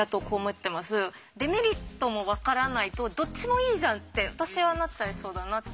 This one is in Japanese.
デメリットもわからないとどっちもいいじゃんって私はなっちゃいそうだなって。